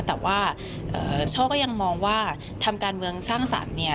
แต่ว่าโชคก็ยังมองว่าทำการเมืองสร้างสรรค์เนี่ย